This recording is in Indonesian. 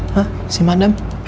hah si madem